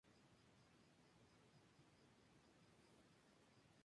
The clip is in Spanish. Anderlecht, quedando sin equipo para esa temporada y regresando a España.